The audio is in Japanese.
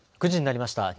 ９時になりました。